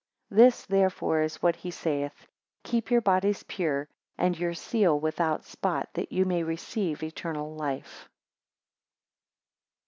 18 This, therefore, is what he saith; keep your bodies pure, and your seal without spot, that ye may receive eternal life.